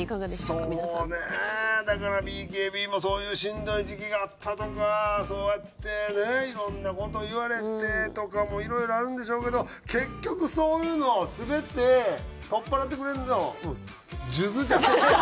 そうねだからＢＫＢもそういうしんどい時期があったとかそうやってねいろんな事言われてとかもいろいろあるんでしょうけど結局そういうのを全て取っ払ってくれるの数珠じゃない？